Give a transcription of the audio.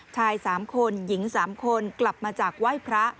ชาย๓คนหญิง๓คนกลับมาจากไหว้พระ